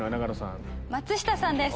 松下さんです。